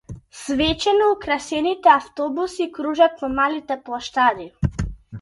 Свечено украсените автобуси кружат по малите плоштади.